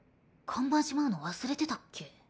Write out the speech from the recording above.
看板しまうの忘れてたっけ。